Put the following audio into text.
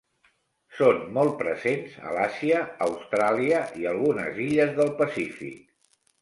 Són molt presents a l'Àsia, Austràlia i algunes illes del Pacífic.